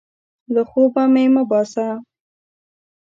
له خوبه مې مه باسه!